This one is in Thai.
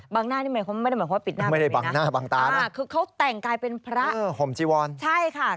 บังหน้านี่ไม่ได้หมายความว่าปิดหน้าเป็นไงนะคือเขาแต่งกลายเป็นพระใช่ค่ะ